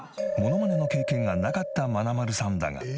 モノマネの経験がなかったまなまるさんだが。